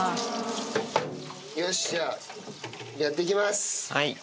よし、じゃあ、やっていきます。